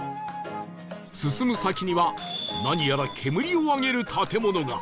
進む先には何やら煙を上げる建物が